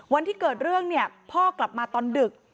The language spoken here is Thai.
วันที่เกิดเรื่องเนี่ยพ่อกลับมาตอนดึก